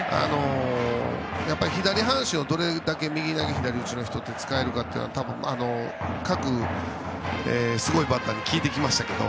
やっぱり左半身をどれだけ右投げ左打ちの人が使えるかって各すごいバッターに聞いてきましたけど。